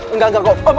enggak enggak om